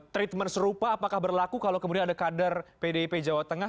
treatment serupa apakah berlaku kalau kemudian ada kader pdip jawa tengah